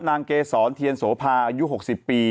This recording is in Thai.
เกษรเทียนโสภาอายุ๖๐ปี